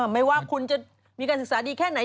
ไม่ว่าคุณจะมีการศึกษาดีแค่ไหน